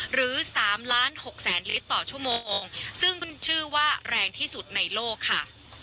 หรือ๓ล้านหกแสนลิตรต่อชั่วโมงซึ่งชื่อว่าแรงที่สุดในโลกค่ะ